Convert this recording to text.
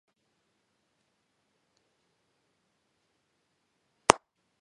მან მცდელობა მხოლოდ მაშინ დაასრულა, როდესაც დარწმუნდა, რომ მის ქმედებას სასურველი შედეგი მოჰყვებოდა.